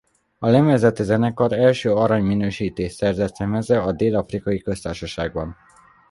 A lemez lett a zenekar első arany minősítést szerzett lemeze a Dél-afrikai Köztársaságban.